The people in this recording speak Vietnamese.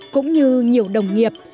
cũng như nhiều đồng nghiệp